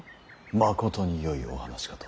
まことによいお話かと。